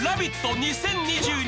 ２０２２」